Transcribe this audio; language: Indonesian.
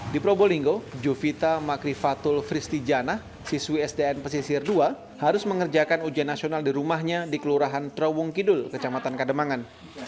di probolinggo juvita makrifatul fristijana siswi sdn pesisir dua harus mengerjakan ujian nasional di rumahnya di kelurahan trawung kidul kecamatan kademangan